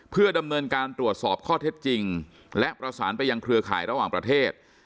เพื่อดำเนินการตรวจสอบข้อเท็จจริงและประสานไปยังเครือข่ายระหว่างประเทศ